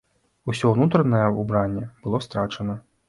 Усе ўнутранае ўбранне было страчана.